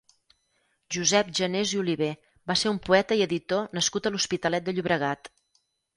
Josep Janés i Olivé va ser un poeta i editor nascut a l'Hospitalet de Llobregat.